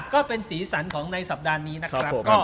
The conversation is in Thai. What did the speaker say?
ก็เป็นสีสันของในสัปดาห์นี้นะครับ